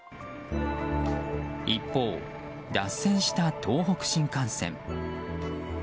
一方、脱線した東北新幹線。